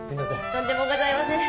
とんでもございません。